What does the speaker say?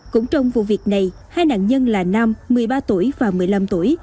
cũng trong vụ việc này hai nạn nhân là nam một mươi ba tuổi và một mươi năm tuổi